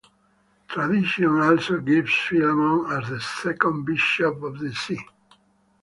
Tradition also gives Philemon as the second bishop of the see.